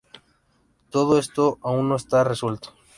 Todo esto aun no está resuelto.